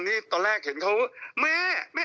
พี่หนุ่ม